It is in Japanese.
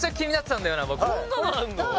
こんなのあんの？